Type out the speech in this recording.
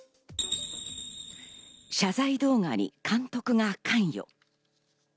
謝罪動画に監督が関与。